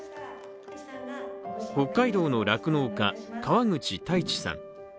北海道の酪農家・川口太一さん。